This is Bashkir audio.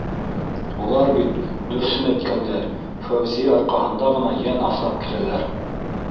Улар бит, дөрөҫөн әйткәндә, Фәүзиә арҡаһында ғына йән аҫрап киләләр...